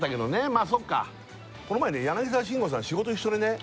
まあそっかこの前柳沢慎吾さん仕事一緒でね